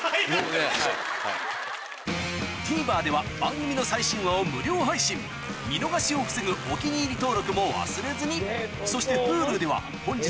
ＴＶｅｒでは番組の最新話を無料配信見逃しを防ぐ「お気に入り」登録も忘れずにそしてＨｕｌｕでは本日の放送も過去の放送も配信中